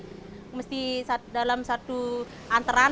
jadi mesti dalam satu antaran